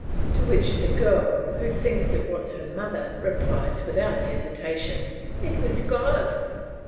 To which the girl, who thinks it was her mother, replies without hesitation, "It was God."